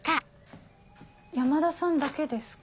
山田さんだけですか？